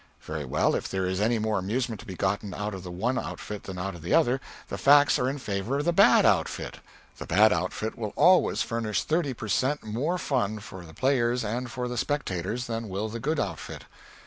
Very well, if there is any more amusement to be gotten out of the one outfit than out of the other, the facts are in favor of the bad outfit. The bad outfit will always furnish thirty per cent. more fun for the players and for the spectators than will the good outfit.